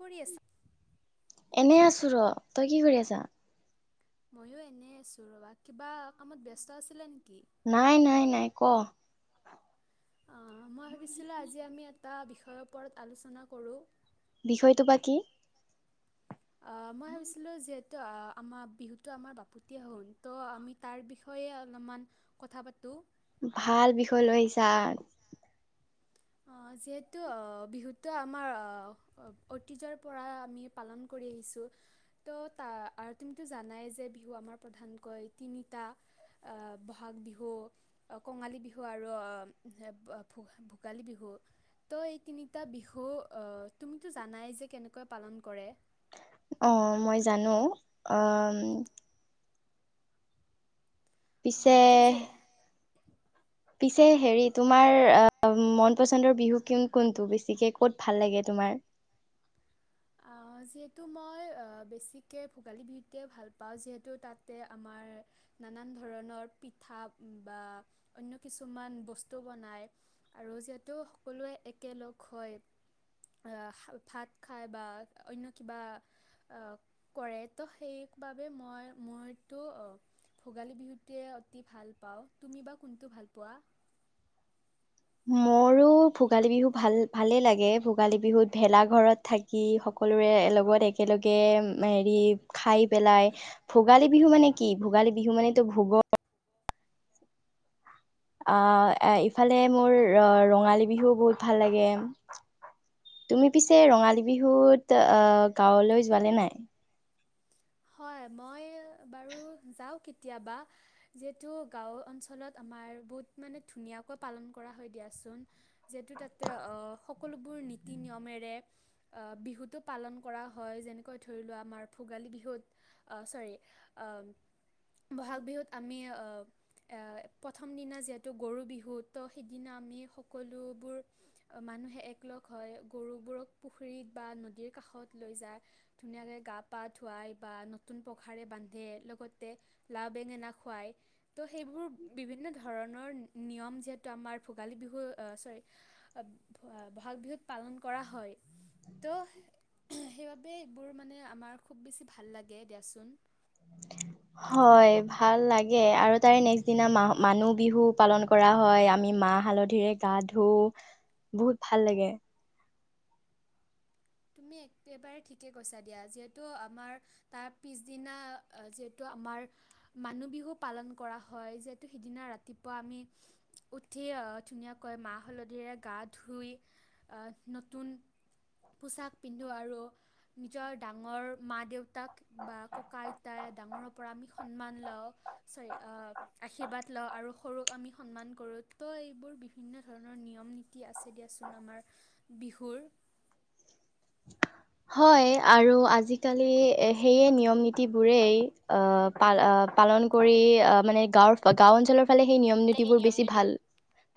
কৰি আছা এনেই আছো ৰ তই কি কৰি আছা ময়ো এনে আছো ৰবা কিবা কামত ব্যস্ত আছিলে নি নাই নাই নাই ক অ মই ভাবিছিলো আজি আমি এটা বিষয়ৰ ওপৰত আলোচনা কৰোঁ বিষয়টো বা কি আহ মই ভাবিছিলো যে আমাৰ বিহুটো আমাৰ বাপতীয়া হ'ল ত' আমি তাৰ বিষয়ে অলপমান কথা পাতো। ভাল বিষয় লৈ আহিছা। অ' যিহেতু বিহুটো আমাৰ ঐতিয্যৰ পৰা আমি পালন কৰি আহিছোঁ। ত ত আৰু তুমিতো জানাই যে বিহু আমাৰ প্ৰধানকৈ তিনিটা। আহ বহাগ বিহু আহ কঙালী বিহু আৰু আহ ভো ভোগালী বিহু। ত' এই তিনিটা বিহু আহ তুমিতো জানাই যে কেনেকৈ পালন কৰে। অ', মই জানোঁ অহ অ, পিছে তো যে পিছে হেৰি তোমাৰ অ', মন পচন্দৰ বিহু কোন কোনটো বেছিকে ক'ত ভাল লাগে। তোমাৰ। অ'। যিহেতু মই বেছিকৈ ভোগালী বিহুটোৱে ভাল পাওঁ যিহেতু তাতে আমাৰ নানান ধৰণৰ পিঠা বা অন্য কিছুমান বস্তু বনায় আৰু। যিহেতু সকলোৱে একেলগ হয়, ভাত খাই। বা অন্য কিবা কৰে ত সেইবাবে মই মইতো। অ' ভোগালী বিহুতে অতি ভাল পাওঁ। তুমি বা কোনটো ভাল পোৱা। মোৰো ভোগালী বিহু ভাল ভালে লাগে ভোগালী বিহুত ভেলা ঘৰত থাকি সকলো। সকলোৰে লগত একেলগে হেৰি খাই পেলাই ভোগালী বিহু মানে কি ভোগালী। ভোগালী বিহু মানে তো ভোগৰ। আহ ইফালে মোৰ ৰঙালী বিহু বহুত ভাল লাগে। তুমি পিছে ৰঙালী বিহুত আহ গাঁৱলৈ যোৱানে নাই। হয়। মই বাৰু যাওঁ কেতিয়াবা যিহেতু গাওঁ অঞ্চলত আমাৰ বহুত ইমানে ধুনিয়াকে পালন কৰা হয় দিয়াচোন। যিহেতু তাতে সকলোবৰ নীতি নিয়ম। মেৰে বিহুতটো পালন কৰা হয়, যেনেকৈ ধৰি লোৱা আমাৰ ভোগালী বিহুত আহ চৰি ব'হাগ বিহুত আমি আহ এ প্ৰথম দিনা যিহেতু গৰু বিহু তো সেইদিনা আমি সকলোবোৰ মানুহে এক লগ হয় গৰুবোৰক পুখুৰীত বা নদীৰ কাষত লৈ যায় ধুনীয়াকৈ গা পা ধুৱাই বা নতুন পখাৰে বান্ধে লগতে লাও, বেঙেনা খুৱায় ত' সেইবোৰ বিভিন্ন এনেধৰণৰ নিয়ম যিহেতু আমাৰ ভোগালী বিহু চৰি বহাগ বিহুত পালন কৰা হয় ত সেইবাবে এইবোৰ মানে আমাৰ খুব বেছি ভাল লাগে দিয়াচোন। হয় ভাল লাগে আৰু তাৰে নেক্স দিনা মা মানুহ বিহু পালন কৰা হয়, আমি। মাহ হালধিৰে গা ধু বহুত ভাল লাগে। তুমি একেবাৰে ঠিকে কৈছা দিয়া যিহেতু আমাৰ তাৰ পিছদিনা যিহেতু। আমাৰ মানুহ বিহু পালন কৰা হয়। যিহেতু সিদিনা ৰাতিপুৱা আমি উঠিয়ে। অহ ধুনীয়াকৈ মাহ-হলধিৰে গা ধুই অ' নতুন পোচাক পিন্ধো আৰু নিজৰ ডাঙৰ মা দেউতাক বা ককা আইতাই ডাঙৰ ডাঙৰৰ পৰা আমি সন্মান লওঁ চ'ৰি আশীৰ্বাদ লওঁ আৰু সৰুক আমি সন্মান কৰো। তো এইবোৰ বিভিন্ন ধৰণৰ নিয়ম নীতি আছে দিয়াচোন আমাৰ বিহুৰ। হয় আৰু আজিকালি সেইয়ে নিয়ম নীতিবোৰেই পালন- পালন কৰি অহ মানে গাঁৱৰ গাওঁ অঞ্চলৰ ফালে সেই নিয়ম নীতিবোৰ বেছি ভাল।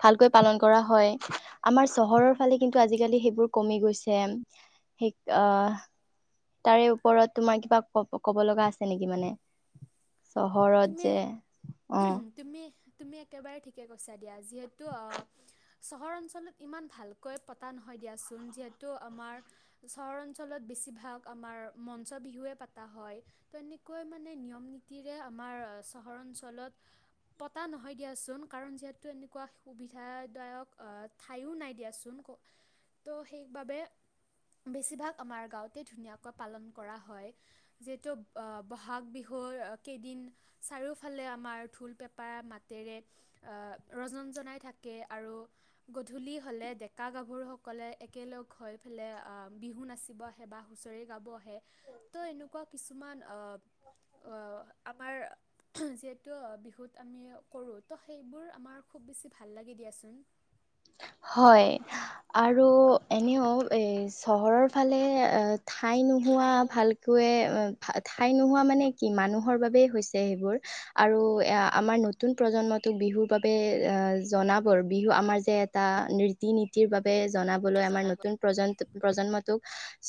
ভালকৈ পালন কৰা হয়, আমাৰ চহৰৰ ফালে কিন্তু আজিকালি সেইবোৰ কমি গৈছে। অহ তাৰে ওপৰত তোমাৰ কিবা ক ক'ব লগা আছে নেকি মানে? তুমি চহৰত যে অ'। তুমি তুমি একেবাৰে ঠিকে কৈছা দিয়া। যিহেতু চহৰ অঞ্চলত ইমান ভালকৈ পতা নহয়। দিয়াচোন যিহেতু আমাৰ চহৰ অঞ্চলত বেছিভাগ আমাৰ মঞ্চ বিহুৱে পাতা হয়। হয় তেনেকৈ মানে নিয়ম নীতিৰে আমাৰ চহৰ অঞ্চলত পতা নহয় দিয়াচোন কাৰণ যিহেতু এনেকুৱা সুবিধাদায়ক ঠাইও নাই দিয়াচোন। ত' সেইবাবে বেছিভাগ আমাৰ গাওঁতে ধুনীয়াকৈ পালন কৰা হয় যিহেতু বহাগ বিহু। [unintelligible] কেইদিন চাৰিওফালে আমাৰ ঢোল পেঁপা মাতেৰে ৰজন জনাই থাকে। আৰু গধূলি হ'লে ডেকা গাভৰুসকলে একেলগ হৈ পেলাই বিহু নাচিব আহে বা হুঁচৰি গাব আহে ত' এনেকুৱা কিছুমান অহ। [inaudible] আমাৰ যিহেতু বিহুত আমি কৰো, তো সেইবোৰ আমাৰ খুব বেছি ভাল লাগে দিয়াচোন। হয় আৰু এনেও এ চহৰৰ ফালে ঠাই নোহোৱা খাই নোহাই ভালকৈ। ঠাই নোহোৱা মানে কি মানুহৰ বাবেই হৈছে সেইবোৰ আৰু এ আমাৰ নতুন প্ৰজন্ম বিহুৰ বাবে অ' জনাবৰ বিহু আমাৰ যে এটা ৰীতি-নীতিৰ বাবে জনাবলৈ আমাৰ জনাব নতুন প্ৰজন্ম প্ৰজন্ম। ত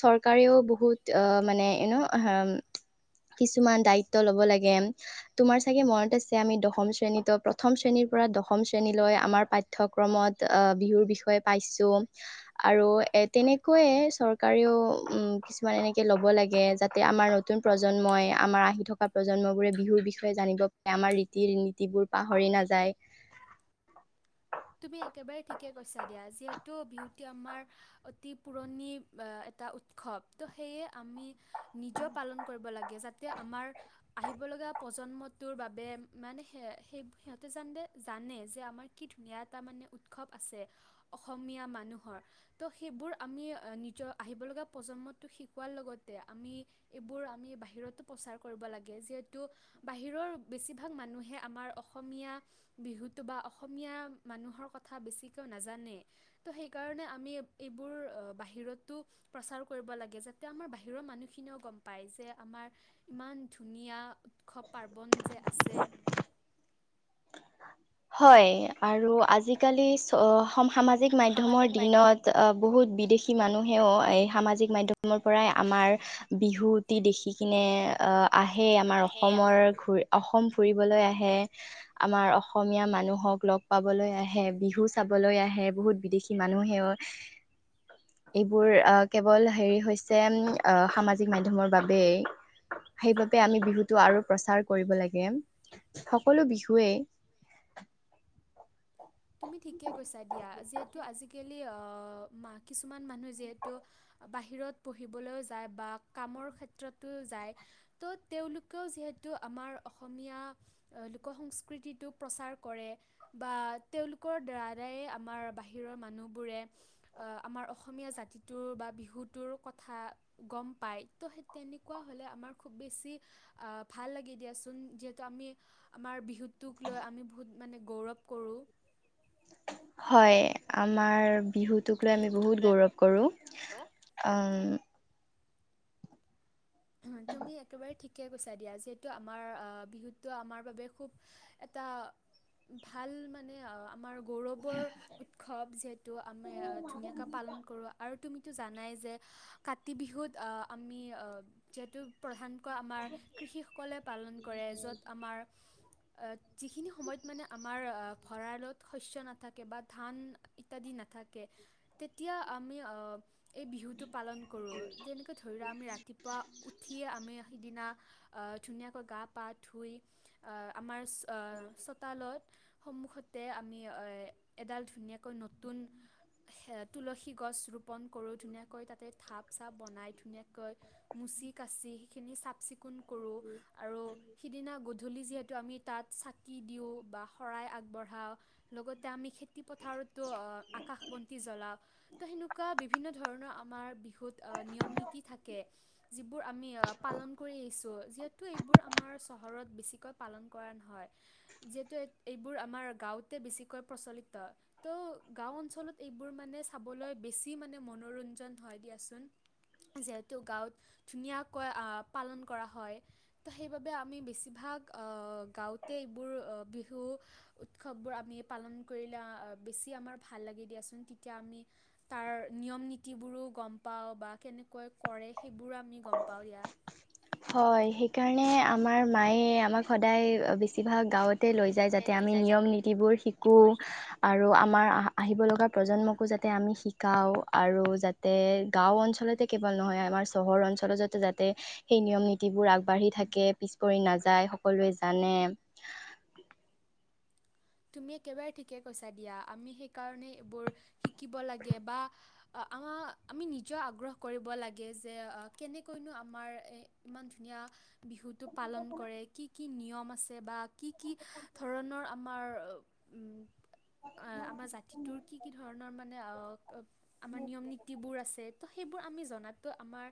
চৰকাৰেও বহুত অহ মানে এনেও আহ। কিছুমান দায়িত্ব লব লাগে তুমাৰ চাগে মনত আছে আমি দশম শ্ৰেণীতো প্ৰথম শ্ৰেণীৰ পৰা দশম শ্ৰেণীলৈ আমাৰ পাঠ্যক্ৰমত। বিহুৰ বিষয়ে পাইছো আৰু এ তেনেকৈয়ে চৰকাৰেও উম। কিছুমান এনেকে ল'ব লাগে যাতে আমাৰ নতুন প্ৰজন্মই আমাৰ আহি থকা প্ৰজন্মবোৰে বিহুৰ বিষয়ে জানিব পাৰে আমাৰ ৰীতি-নীতিবোৰ পাহৰি নাযায়। [inaudible] তুমি একেবাৰে ঠিকে কৈছা দিয়া যিহেতু বিহুতি আমাৰ অতি পুৰণি এটা উত- সৱ ত সেয়ে আমি নিজেও পালন কৰিব লাগে যাতে আমাৰ আহিব লগা প্ৰজ প্ৰজন্মটোৰ বাবে মানে স সেই সিহঁতে জানে জানে যে আমাৰ কি ধুনীয়া। এ মানে উৎসৱ আছে অসমীয়া মানুহৰ ত সেইবোৰ আমি নিজৰ আহিবল গা প্ৰজন্মটো শিকোৱাৰ লগতে আমি এইবোৰ আমি বাহিৰতো প্ৰচাৰ কৰিব লাগে যিহেতু বাহিৰৰ বেছিভাগ মানুহে আমাৰ অসমীয়া বিহুটো বা অসমীয়া। মানুহৰ কথা বেছিকৈ নাজানে ত' সেইকাৰণে আমি এইবোৰ বাহিৰতো। প্ৰচাৰ কৰিব লাগে যাতে আমাৰ বাহিৰৰ মানুহখিনিও গম পায় যে আমাৰ ইমান ধুনীয়া। উৎসৱ পাৰ্বণ যে আছে। হয় আৰু আজিকালি চ সম সামাজিক মাধ্যমৰ সামাজিক দিনত। বহুত বিদেশী মানুহেও এই সামাজিক মাধ্যমৰ পৰাই আমাৰ বিহুটি দেখি কিনে। আহে আমাৰ মাধ্যম আহে অসমৰ অসম ফুৰিবলৈ আহে আমাৰ অসমীয়া মানুহক লগ পাবলৈ আহে বিহু চাবলৈ আহে বহুত বিদেশী মানুহেও। এইবোৰ কেৱল হেৰি হৈছে ও সামাজিক মাধ্যমৰ বাবেই। সেইবাবে আমি বিহুটো আৰু প্ৰচাৰ কৰিব লাগে সকলো বিহুৱেই। তুমি ঠিকে কৈছা দিয়া যিহেতু আজিকালি অ' কিছুমান মানুহে যিহেতু বাহিৰত পঢ়িবলৈও যায় বা কামৰ ক্ষেত্ৰতো যায় তো তেওঁলোকেও যিহেতু। আমাৰ অসমীয়া লোক সংস্কৃতিটোক প্ৰচাৰ কৰে বা তেওঁলোকৰ দ্বাৰাই আমাৰ বাহিৰৰ মানুহবোৰে আমাৰ অসমীয়া জাতি। বা বিহুটোৰ কথা গম পায় তো সেই তেনেকুৱা হ'লে আমাৰ খুব বেছি। ভাল লাগে দিয়াচোন যিহেতু আমি আমাৰ বিহুটোক লৈ আমি বহুত মানে গৌৰৱ কৰোঁ। হয় আমাৰ বিহুটোক লৈ আমি বিহুটোক বহুত লৈ গৌৰৱ কৰোঁ। তুমি একেবাৰে ঠিকে কৈছা দিয়া যিহেতু বিহুতটো আমাৰ বাবে খুব এটা ভাল মানে আমাৰ। গৌৰৱৰ উৎসৱ যিহেতু আমি ধুনীয়াকৈ পালন কৰোঁ আৰু তুমিতো জানাই যে কাতি বিহুত আমি যিহেতু প্ৰধান। আমাৰ কৃষিসকলে পালন কৰে য'ত আমাৰ যিখিনি সময়ত মানে আমাৰ ভঁৰালত শস্য নাথাকে বা ধান ইত্যাদি নাথাকে তেতিয়া আমি এই বিহুটো পালন কৰোঁ যেনেকে ধৰি লোৱা আমি ৰাতিপুৱা উঠিয়ে আমি সিদিনা ধুনীয়াকৈ গা পা ধুই আ আমাৰ অ চোতালত সন্মুখতে আমি এডাল ধুনীয়াকৈ নতুন তুলসী গছ ৰুব ধুনীয়াকৈ তাতে ধাপ চাপ বনাই ধুই মচি সেই খিনি চাফ চিকুন কৰো আৰু সিদিনা গধুলি যিহেতু আমি তাত চাকি বা শৰাই আগবঢ়াও লগতে আমি খেতি পথাৰত আকাশ বাতি জ্বলাও। ত সেনেকুৱা বিভিন্ন ধৰণৰ আমাৰ বিহুত নিয়ম নীতি থাকে। যিবোৰ আমি পালন কৰি আহিছোঁ যিহেতু এইবোৰ আমাৰ চহৰত বেছিকৈ পালন কৰা নহয়। যিহেতু এইবোৰ আমাৰ গাঁওতে বেছিকৈ প্ৰচলিত ত' গাঁও অঞ্চলত এই এইবোৰ মানে চাবলৈ বেছি মানে মনোৰঞ্জন হয় দিয়াচোন যিহেতু গাঁৱত। ধুনীয়াকৈ পালন কৰা হয় তো সেইবাবে আমি বেছিভাগ গাঁৱতে। বোৰ বিহু উৎসৱবোৰ আমি পালন কৰিলে বেছি আমাৰ ভাল লাগে দিয়াচোন। আমি তাৰ নিয়ম নীতিবোৰো গম পাওঁ বা কেনেকৈ কৰে সেইবোৰো আমি গম পাওঁ ইয়া হয় সেইকাৰণে আমাৰ মায়ে আমাক সদায় বেছিভাগ গাঁৱত লৈ যায় তে যাতে লৈ আমি যায় যাতে নিয়ম নীতিবোৰ শিকোঁ যিবোৰ আৰু আমাৰ আহিব লগা প্ৰজন্মকো যাতে আমি শিকাওঁ আৰু যাতে গাঁও অঞ্চলতে কেৱল নহয় আমাৰ চহৰ অঞ্চলত যাতে সেই নিয়ম নীতিবোৰ আগবাঢ়ি থাকে পিছ পৰি নাযায় সকলোৱে জানে [inaudible] তুমি একেবাৰে ঠিকে কৈছা দিয়া আমি সেইবোৰ শিকিব লাগে বা আমাৰ আমি নিজেও আগ্ৰহ কৰিব লাগে যে কেনেকৈনো আমাৰ ইমান ধুনীয়া বিহুটো পালন কৰে কি কি নিয়ম আছে বা কি কি ধৰণৰ আমাৰ উম অ আমাৰ জাতিটোৰ কি কি ধৰণৰ মানে অ আমাৰ নিয়ম নীতি বোৰ আছে ত সেই আমি জনা সেইটো আমাৰ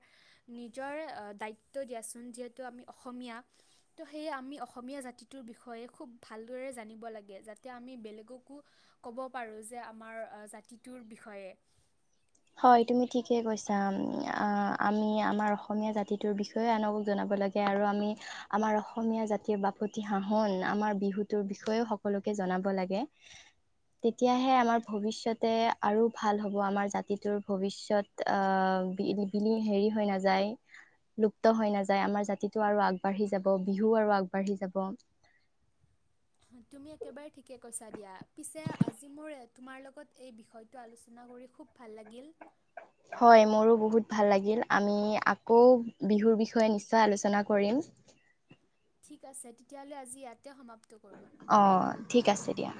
নিজৰে দায়িত্ব দিয়াচোন যিহেতু আমি অসমীয়া ত সেয়া আমি অসমীয়া জাতিটোৰ বিষয়ে খুব ভালদৰে জানিব লাগে আমি বেলেগকো ক'ব পাৰো যে আমাৰ জাতিটোৰ বিষয়ে হয় তুমি ঠিকে কৈছা আমি আমাৰ অসমীয়া জাতিটোৰ বিষয়ে আনক জনাব জনাব লাগে আৰু আমি আমাৰ অসমীয়া জাতিৰ বাপতি সাহন আমাৰ বিহুতোৰ বিষয়েও সকলোকে জনাব লাগে তেতিয়াহে আমাৰ ভৱিষ্যতে আৰু ভাল হব আমাৰ জাতি তোৰ ভৱিষ্যয়ত আহ বিলন হেৰি হৈ নাযায় লুপ্ত হৈ নাযায় আমাৰ জাতিটো আৰু আগবাঢ়ি যাব বিহু আৰু আগবাঢ়ি যাব [inaudible] তুমি একেবাৰে ঠিকে কৈছা দিয়া পিছে আজি মোৰ তোমাৰ লগত এই বিষয়টো আলোচনা কৰি খুব ভাল লাগিল। হয় মোৰো বহুত ভাল লাগিল আমি আকৌ বিহুৰ বিষয়ে নিশ্চয় আলোচনা কৰিম। ঠিক আছে তেতিয়াহলে আজি ইয়াত অ, ঠিক আছে দিয়া।